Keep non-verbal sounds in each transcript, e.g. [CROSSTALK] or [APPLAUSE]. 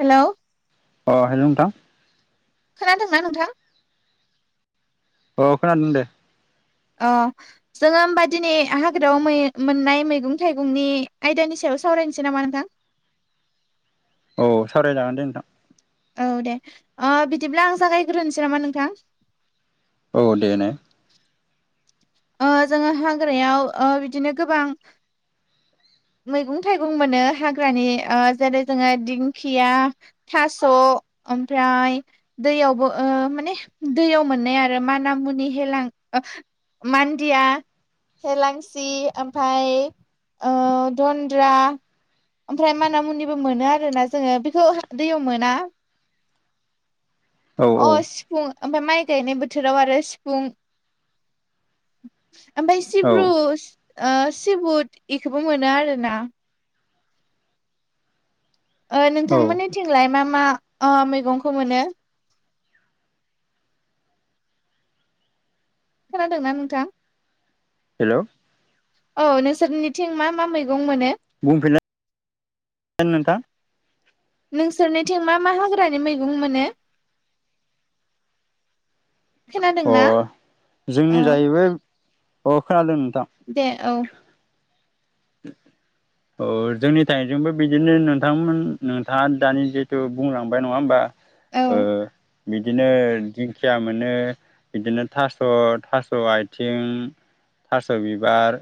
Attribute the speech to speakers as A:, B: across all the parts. A: Hello
B: अ hello नोंथां।
A: खोनादोंना नोंथां?
B: अ खोनादों दे।
A: अ जोङो होमबा दिनै हाग्रायाव मोननाय मैगं थाइगंनि आयदानि सायाव सावरायनोसै नामा नोंथां।
B: औ सावरायजागोन दे नोंथां।
A: औ दे बिदिब्ला आं जागायग्रोनोसै नामा नोंथां।
B: औ देनाय।
A: ओ जोङो हाग्रायाव बिदिनो गोबां मैगं थाइगं मोनो हाग्रानि जेरै जोङो दिंखिया, थास', ओमफ्राय दैयावबो माने दैयाव मोननाय आरो माना मुनि हेलां मान्दिया थेलांसि ओमफ्राय ओ दड्रा ओमफ्राय माना मुनिबो मोनो आरोना जोङो बेखौ दैयाव मोना।
B: औ औ
A: अ सिबुं ओमफ्राय माइ गायनाय बोथोराव आरो सिफुं ओमफ्राय
B: औ
A: सिब्रु सिबुट बेखौबो मोनो आरो ना।
B: औ
A: नोंथांमोननिथिंलाय मा मा ओ मैगंखौ मोनो। खोनादोंना नोंथां?
B: हेलौ
A: औ नोंसोरनिथिं मा मा मैगं मोनो?
B: बुंफिनला नोंथां।
A: नोंसोरनिथिं मा मा हाग्रानि मैगं मोनो?
B: अ
A: खोनादोंना औ
B: जोंनि जाहैबाय अ खोनादों। नोंथां
A: दे औ। [INAUDIBLE]
B: अ जोंनि थाइजोंबो बिदिनो नोंथांमोन नोंथाङा दानि जिथु बुंलांबाय नङा होमबा।
A: औ
B: ओ बिदिनो दिंखिया मोनो बिदिनो थास' थास' आथिं थास' बिबार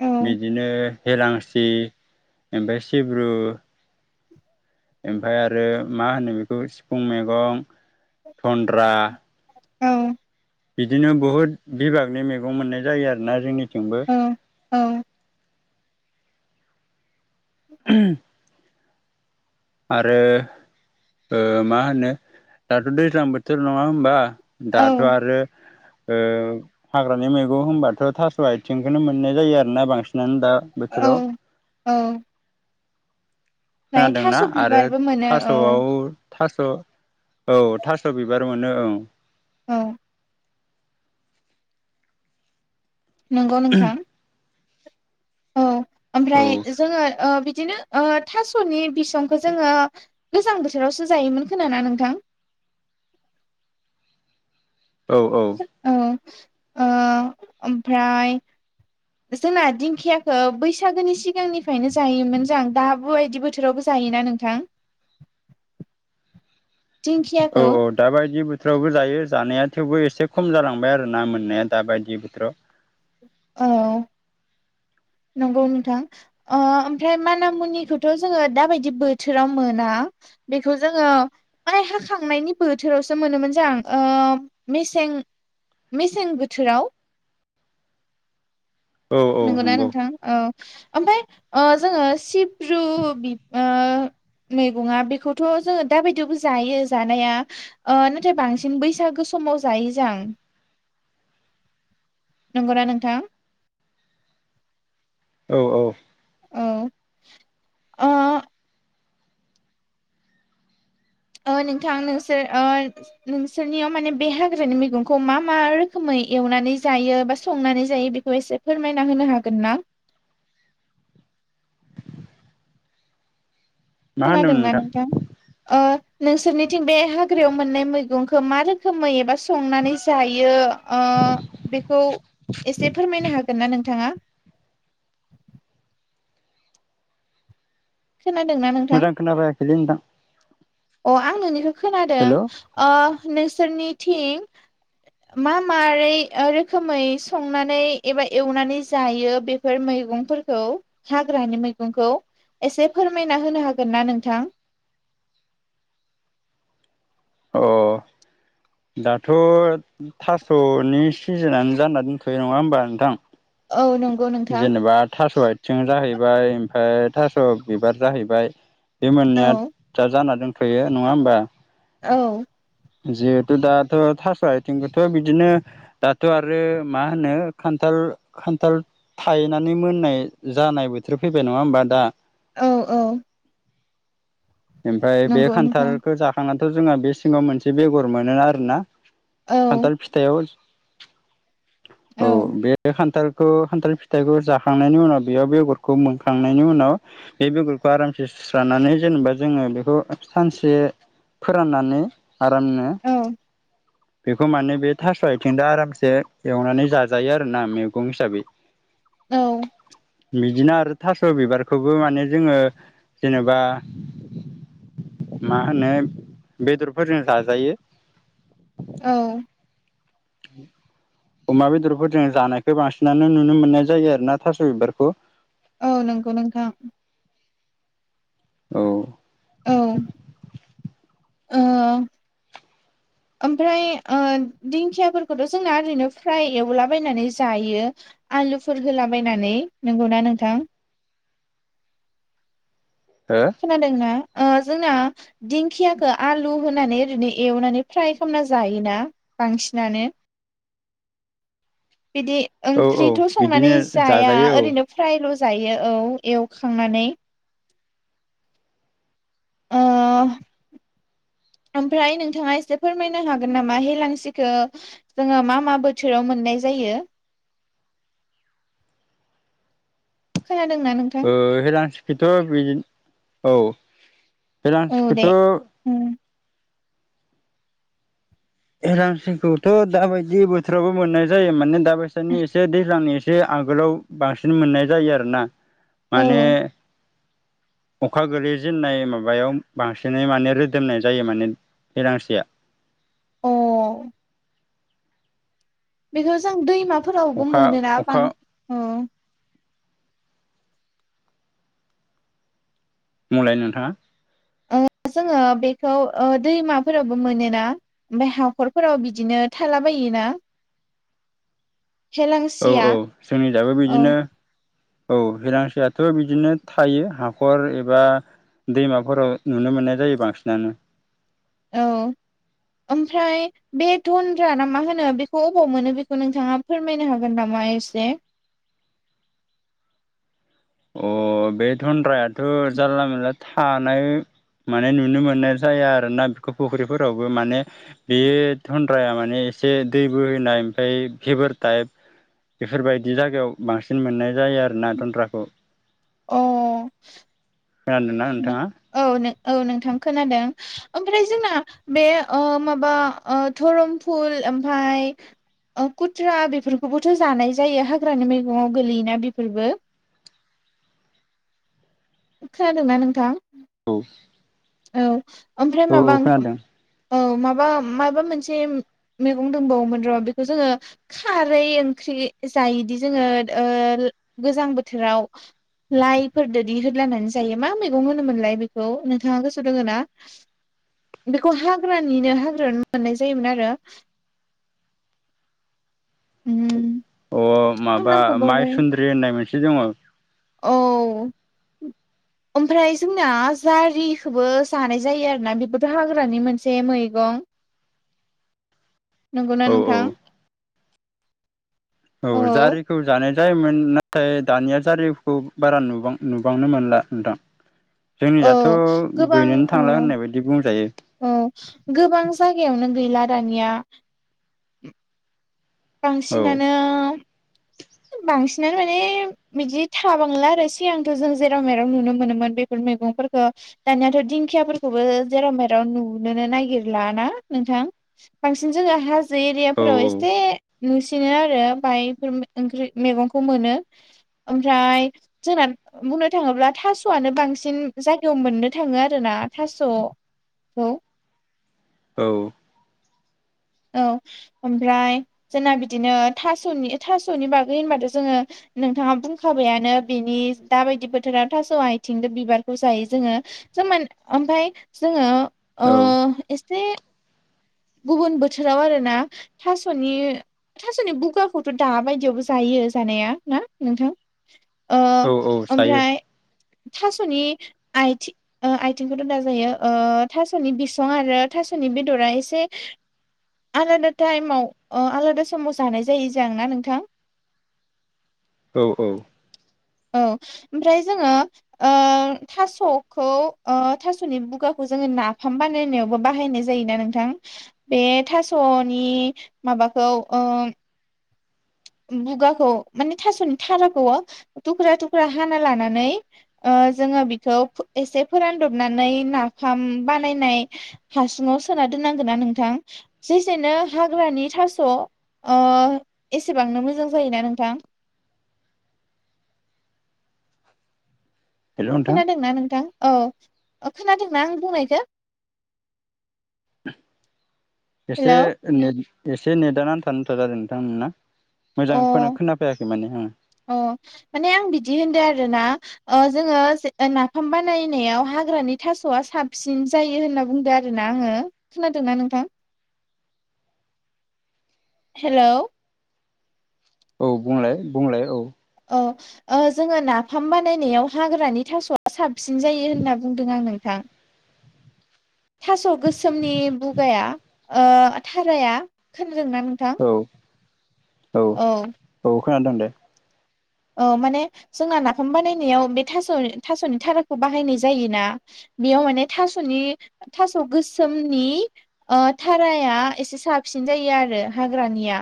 A: औ
B: बिदिनो हेेलांसि ओमफ्राय सिब्रु। ओमफाय आरो मा होनो बेखौ सिफुं मैगं थनन्द्रा ।
A: औ
B: बिदिनो बहुद बिभागनि मैगं मोननाय जायो आरोना जोंनिथिंबो ।
A: औ औ
B: ओम आरो ओ मा होनो दाथ' दैज्लां बोथोर नङा होमबा?
A: औ
B: दाथ' आरो ओ हाग्रानि मैगं होनबाथ' थास' आथिंखौनो मोननाय जायो आरोना बांसिन । मोनो दा
A: औ
B: बोथोराव।
A: ओमफ्राय
B: खोनादोंना
A: थास'
B: आरो
A: बिबारबो मोनो औ
B: थास'आव थास' औ थास' बिबार मोनो ओं।
A: औ नंगौ नोंथां । औ ओमफ्राय जोङो ओ बि बिदिनो ओ थास'नि बिसंखौ जोङो गोजां बोथोरावसो जायोमोन खोनाना नोंथां? [INAUDIBLE]
B: औ औ
A: ओ ओमफ्राय जोंना दिंखियाखौ बैसागोनि सिगांनिफ्रायनो जायोमोन जां दाबो बायदि बोथोरावबो जा जायो ना नोंथां?
B: औ
A: दिंखियाखौ
B: औ दाबायदि बो बोथोरावबो जायो जानाया थेवबो एसे खम जालांबाय आरो ना मोननाया दाबायदि बोथोराव ।
A: औ नंगौ नोंथां ओ ओमफ्राय माना मुनिखौथ' जोङो दाबायदि बोथोराव मोना। बेखौ जोङो माइ हाखांनायनि बोथोरावसो मोनोमोन जां ओ मेसें मेसें बोथोराव।
B: औ औ
A: नंगौना
B: नंगौ
A: नोंथां औ। ओमफाय ओ जोङो सिब्रु ओ मैगङा बेखौथ' जोङो दाबायदियावबो जायो जानाया ओ नाथाय बांसिन बैसागुस समाव जाय जां। नंगौना नोंथां?
B: औ औ
A: औ ओ ओ नोंथां नोंसोर ओ नोंसोरनियाव माने बे हाग्रानि मैगंखौ मा मा रोखोमै एवनानै जायो बा संनानै जायो बेखौ एसे फोरमायना होनो हागोन ना? [INAUDIBLE]
B: मा होनदोंमोन
A: खोनादोंना नोंथां? ओ। नोंसोरनिथिं बे हाग्रायाव मोननाय मैगंखौ मा रोखोमै एबा संनानै जायो ओ ओ बेखौ एसे फोरमायनो हागोन ना नोंथाङा? [INAUDIBLE] खोनादोंना नोंथां
B: मोजां खोनाफैआखैलै नोंथां।
A: अ आं नोंनिखौ खोनादों
B: हेल' अ
A: ओ नोंसोरनिथिं। मा मारै रोखोमै संनानै एबा एवनानै जायो बेफोर मै गंफोरखौ हाग्रानि मैगंखौ एसे फोरमायना होनो हागोन ना नोंथां? [INAUDIBLE]
B: औ दाथ' थास'नि सिजोनानो जाना दोनथ'यो नङा होमबा नोंथां?
A: औ नंगौ नोंथां
B: जेनेबा थास' आथिं जाहैबाय ओमफाय थास' बिबार जाहैबाय। बे
A: औ
B: मोननैया दा जाना दोंथ'यो नङा होमबा?
A: औ
B: जिहेथु दाथ' थास' आथिंखौथ' बिदिनो दाथ' आरो मा होनो खान्थाल। खान्थाल थायनानै मोननाय जानाय बोथोर फैबाय नङा होमबा दा?
A: औ-औ
B: ओमफ्राय बे
A: नोंथां
B: खान्थालखो
A: औ
B: खानथाल फिथाइआव औ बे खान्थालखौ खान्थाल फिथाइखौ जाखांनायनि उनाव बेयाव बेगरखौ मोनखांनायनि उनाव बे बेगरखौ आरामसे सुस्राना नानै जेनेबा जोङो बेखौ सानसे फोराननानै आरामनो-
A: औ
B: बेखौ माने बे थास' आइथिंजों आरामसे एवनानै जाजायो आरोना मैगं हिसाबै।
A: औ
B: बिदिनो आरो थास' बिबारखौबो माने जोङो जेनेबा मा होनो बेदरफोरजों जाजायो।
A: औ
B: अमा बेदरफोरजों जानायखौ बांसिनानो नुनो मोननाय जायो आरो ना थास' बिबारखौ
A: औ नंगौ नोंथां।
B: औ
A: औ औ ओमफ्राय दिंखियाफोरखौथ' जोंना ओरैनो फ्राय एवलाबायनानै जायो। आलुफोर होलाबायनानै नंगौना नोंथां?
B: हो
A: खोनादोंना। जोंना दिंखियाखौ आलु होनानै ओरैनो एवनानै फ्राय खालामना जायोना? बांसिनानो बिदि
B: औ औ
A: ओंख्रिथ' संनानै
B: बिदिनो
A: जाया
B: जाजायो औ
A: ओरैनो फ्रायल' जायो औ एवखांनानै ओ ओमफ्राय नोंथाङा एसे फोरमायनो हागोन नामा हेेलांसिखौ जोङो मा मा बोथोराव मोननाय जायो? यो
B: हेलांसिखौथ' बिदिनो औ
A: औ दे
B: हेलांसिखौथ'
A: उम
B: हेलांसेखौथ' दाबायदि बोथोरावबो मोननाय जायो माने दाबायसानि एसे दैज्लांनि एसे एसे आगोलाव बांसिन मोननाय जायो आरोना
A: औ
B: माने अखा गोलै जेननाय माबायाव बांसिनै माने रोदोमनाय जायो माने। हेलांसिया
A: अ बेखौ जों दैमाफोरावबो
B: अखा
A: मोनोना बां
B: अखा
A: ओ
B: मलाय नोंथाङा?
A: ओ जोङो बेखौ दैमाफोरावबो मोनोना ओफ्राय हाखरफोराव बिदिनो थाला बायो ना?
B: औ औ जोंनि दाबो बिदिनो।
A: औ
B: औ हेलांसेयाथ' बिदिनो थायो हाखर एबा। दैमाफोराव नुनो मोननाय जायो बांसिनानो।
A: औ ओमफ्राय बे नन्द्रा ना मा होनो बेखौ अबाव मोनो बेखौ नोंथाङा फोरमायनो हागोन नामा? बायसे
B: अ बे थन्द्रायाथ' जारला मानला थानाय। माने नुनो मोननाय जाया आरो ना बेखौ फुख्रिफोरावबो माने बे थन्द्राया माने एसे दै बोहीयनाय ओमफ्राय भिभार टाइप। बेफोरबायदि जायगायाव बांसिन मोननाय जायो आरो ना थन्द्राखौ।
A: अ
B: खोनादों ना नोंथाङा
A: औ नोंथां खोनादों ओमफ्राय जोंना बे ओ माबा ओ धरमफुल ओमफ्राय खुथ्रा बेफोरखौबोथ' जानाय जायो हाग्रानि मैगंआव गोलैयोना बेफोरबो [INAUDIBLE] खोनादोंना नोंथां
B: औ
A: औ ओमफ्राय
B: औ
A: माबा
B: औ खोनादों
A: औ माबा माबा मोनसे मैगं दंबावोमोन र' बेखौ जोङो खारै ओंख्रि जायोदि जोङो ओ गोजां बोथोराव लाइफोरदोदि होदलानानै जायो मा मैगं होनोमोनलाय बेखौ नों गोसो दोङ ना बेखौ हाग्रानिनो हाग्रा मोननाय जायोमोन आरो उ [UNINTELLIGIBLE]
B: अ माबा माइसुन्द्रि होननाय मोनसे दङ
A: औ ओमफ्राय जोंना जारिखौबो जानाय जायो आरोना बेबोथ' हाग्रानि मोनसे मैगं नंगौना
B: औ
A: नोंथां
B: औ जारिखौ जानाय जा जायोमोन नाथाय दानिया जारिखौ बारा नुबां नुबांनो मोनला नोंथां
A: औ
B: जोंनियावथ'
A: गोबां
B: गैयनोनो
A: औ
B: थांला होननाय बायदि बुंजायो
A: औ गोबां जायगायावनो गैला दानिया
B: औ
A: बांसिनानो बांसिनानो माने बिदि थाबांला आरो सिगांथ' जों जेराव मेराव नुनो मोनोमोन बेफोर मैगंफोरखौ दानियाथ' दिंखियाफोरखौबो जेराव मेराव नुुनोनो नागिरला ना नोंथां बांसिन जोङो हाजो
B: औ
A: एरियाफोराव एसे नुसिनो आरो बायफोर ओंख्रि मैगंखौ मोनो ओमफ्राय जोंना बुंनो थाङोब्ला थास'आनो बांसिन जायगायाव मोननो थाङो आरोना थास' खौ
B: औ
A: औ ओमफ्राय जोंना बिदिनो थास'नि थास'नि बागै होनबाथ' जोङो नोंथाङा बुंखाबायानो बिनि दाबायदि बोथोरा थास' आइथिंजों बिबारखौ जायो जोङो ओमफ्राय जोङो ओ
B: औ
A: एसे गुबुन बो बोथोराव आरोना थास'नि थास'नि बुगाखौथ' दाबायदियावबो जायो जानाया ना नोंथां ओ
B: औ औ जायो
A: ओमफ्राय थास'नि आथि आथिंखौथ दा जायो थास'नि बिसं आरो थास' थास 'नि बेदरा एसे आलादा टाइमाव आलादा समाव जानाय जायो जों ना नोंथां [INAUDIBLE]
B: औ औ
A: औ ओमफ्राय जोङो ओ थास'खौ थास'नि बुगाखौ जोङो नाफाम बानायनायावबो बाहायनाय जायोना नोंथां बे थास'नि माबा खौ बुगाखौ माने थास'नि थाराखौ थुख्रा थुख्रा हाना लानानै जोङो बेखौ एसे फोरानदबनानै नाफाम बानायनाय हासुङाव सोना दोननांगौना नोंथां जेसेनो हाग्रानि थास' ओ एसे एसेबांनो मोजां जायोना नोंथां?
B: हेल' नोंथां
A: खोनादोंना नोंथां औ खोनादोंना आं बुंनायखो?
B: एसे नेद एसे नेदा नांथा नुथां जादो नोंथां नोंना।
A: अ
B: मोजां खोनाफैयाखै माने आङो
A: अ माने आं बिदि होनदों आरोना जोङो नाफाम बानायनायाव हाग्रानि थास'आ साबसिन जायो होनना बुंदो आरो ना। आङो खोनादोंना नोंथां? हेलौ?
B: औ बुंलाय बुंलाय औ।
A: औ जोङो नाफाम बानायनायाव हाग्रानि थास'आ साब सिन जायो होनना बुंदों आं नोंथां। थास' गोसोमनि बुगाया थाराया दोंना नोंथां?
B: औ औ औ खोनादों दे।
A: औ माने जोंना नाफाम बानायनायाव बे थास' थास'नि थाराखौ बाहायनाय जायोना बेयाव माने थास'नि थास' गोसोमनि थराया एसे साब सिन जायो आरो हाग्रानिया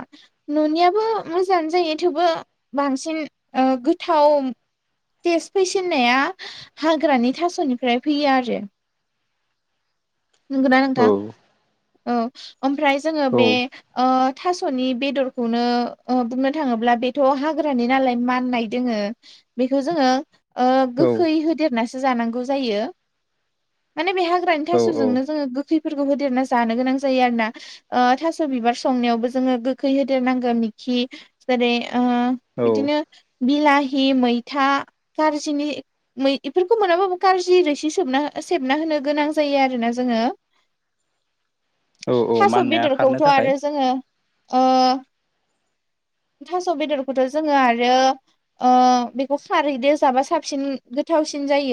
A: न'नियाबो मोजाङानो जायो थेवबो बांसिन गोथाव टेस्ट फैसिन्नाया हाग्रानि थास'निफ्राय फैयो आरो। नंगौना
B: औ
A: नोंथां औ ओमफ्राय जोङो
B: औ
A: बे थास'नि बेदरखौनो बुंनो थाङोब्ला बेथ' हाग्रानि नालाय माननाय दोङो। बेखौ जोङो गोखै होदेरनासो जानांगौ जायो माने बेहा [UNINTELLIGIBLE]
B: औ
A: जोङो गोैखै फोरखौ होदेरना जानो गोनां जायो आरो ना थास' बिबार संनायावबो जोङो गोखै होदेरनांगो मिखि खि जेरै
B: औ
A: बिदिनो बिलाहि मैथा कारजिनि इफोरखौ मोनाबाबो कारजि रोसि सोबना सेबना होनो गोनां जायो आरोना जोङो।
B: औ
A: थास'
B: माननाया खारनो
A: बेदरखौथ'
B: थाखाय
A: आरो जोङो ओ थास' बेदरखौथ' जोङो आरो बेखौ खारैदो जाबा साबसिन गोथावसिन जायो।